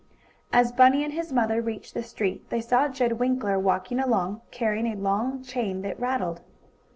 As Bunny and his mother reached the street they saw Jed Winkler walking along, carrying a long chain that rattled.